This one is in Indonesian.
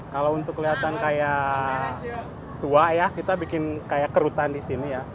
kalau untuk kelihatan kayak tua ya kita bikin kayak kerutan di sini ya